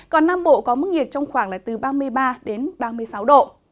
còn nam bộ có mức nhiệt trong khoảng là từ ba mươi ba đến ba mươi sáu độ